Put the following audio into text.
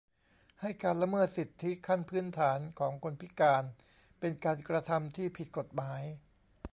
ให้ การละเมิดสิทธิขั้นพื้นฐานของคนพิการ เป็นการกระทำที่ผิดกฎหมาย